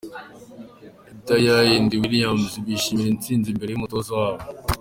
Daya endi Wiliyamuzi bishimira intsinzi imbere y’umutoza wabo.